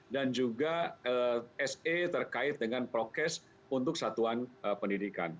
dan juga se terkait dengan prokes untuk satuan pendidikan